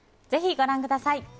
ぜひご覧ください。